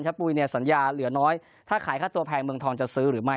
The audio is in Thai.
ปุ๋ยเนี่ยสัญญาเหลือน้อยถ้าขายค่าตัวแพงเมืองทองจะซื้อหรือไม่